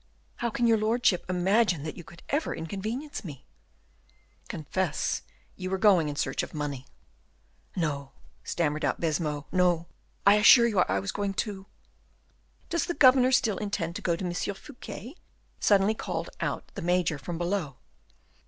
"How can your lordship imagine that you could ever inconvenience me?" "Confess you were going in search of money." "No," stammered out Baisemeaux, "no! I assure you I was going to " "Does the governor still intend to go to M. Fouquet?" suddenly called out the major from below.